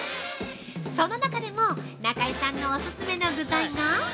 その中でも中井さんのオススメの具材が？